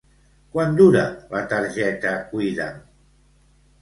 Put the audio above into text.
Quant dura la targeta Cuida'm?